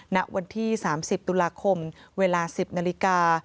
ณวันที่๓๐ตุลาคมเวลา๑๐นาฬิกา